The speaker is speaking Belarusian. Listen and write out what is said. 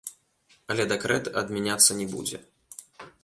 Але дэкрэт адмяняцца не будзе.